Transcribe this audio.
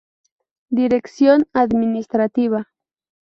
Dirección Administrativa.